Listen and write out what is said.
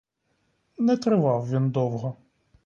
Не тривав він довго.